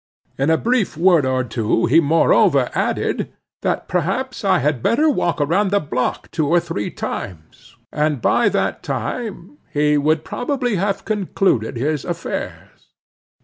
In a brief word or two, he moreover added, that perhaps I had better walk round the block two or three times, and by that time he would probably have concluded his affairs.